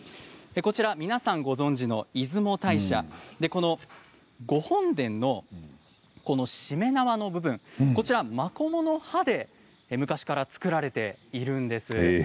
皆さん、ご存じの出雲大社御本殿のしめ縄の部分マコモの葉で昔から作られているんです。